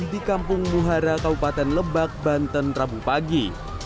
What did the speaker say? di kampung muhara kabupaten lebak banten rabu pagi